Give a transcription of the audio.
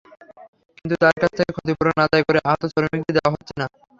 কিন্তু তাঁর কাছ থেকে ক্ষতিপূরণ আদায় করে আহত শ্রমিকদের দেওয়া হচ্ছে না।